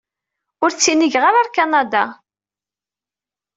Ur ttinigen ara ɣer Kanada.